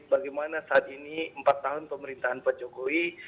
bagaimana saat ini empat tahun pemerintahan pak jokowi